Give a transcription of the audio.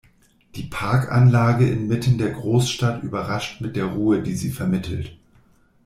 Die Parkanlage inmitten der Großstadt überrascht mit der Ruhe, die sie vermittelt.